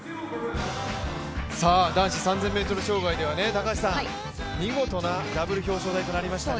男子３０００ｍ障害では見事なダブル表彰台となりましたね。